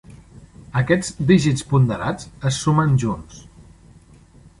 Aquests dígits ponderats es sumen junts.